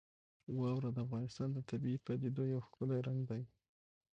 واوره د افغانستان د طبیعي پدیدو یو ښکلی رنګ دی.